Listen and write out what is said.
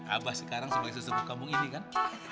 abah sekarang sebagai sesungguh kampung ini kan